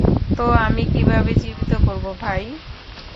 তো আমি কিভাবে জীবিত করবো ভাই?